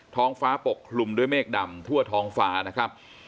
ท้องฟ้าปกคลุมด้วยเมฆดำทั่วท้องฟ้านะครับ